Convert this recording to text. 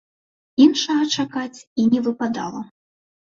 Іншага чакаць і не выпадала.